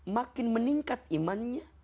makin meningkat imannya